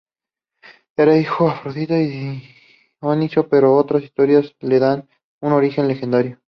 Era hijo de Afrodita y Dioniso, pero otras historias le dan un origen legendario.